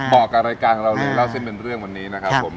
กับรายการของเราในเล่าเส้นเป็นเรื่องวันนี้นะครับผม